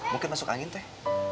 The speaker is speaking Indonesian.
mungkin masuk angin teh